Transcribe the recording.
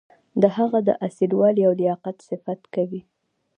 د هغه د اصیل والي او لیاقت صفت کوي.